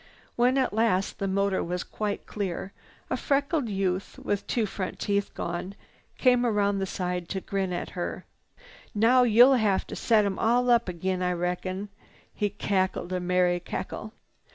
When at last the motor was quite clear, a freckled youth, with two front teeth gone, came round the side to grin at her. "Now you'll have t'set 'em all up ag'in, I reckon." He cackled a merry cackle.